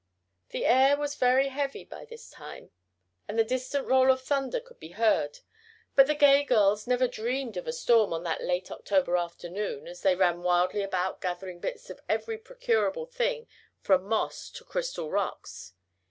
The air was very heavy by this time, and the distant roll of thunder could be heard, but the gay girls never dreamed of a storm on that late October afternoon as they ran wildly about gathering bits of every procurable thing from moss to crystal rocks.